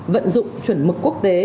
vận dụng chuẩn mực quốc tế